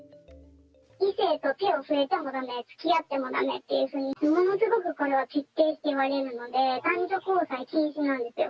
異性と手を触れてもだめ、つきあってもだめっていうふうに、ものすごくこれは徹底して言われているので、男女交際禁止なんですよ。